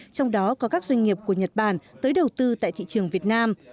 trong đó có các doanh nghiệp của nhật bản tới đầu tư tại thị trường việt nam